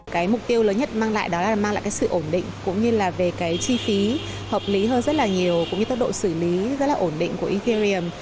cái mục tiêu lớn nhất mang lại đó là mang lại sự ổn định cũng như là về chi phí hợp lý hơn rất là nhiều cũng như tốc độ xử lý rất là ổn định của ethereum